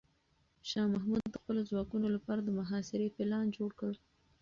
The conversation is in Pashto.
شاه محمود د خپلو ځواکونو لپاره د محاصرې پلان جوړ کړ.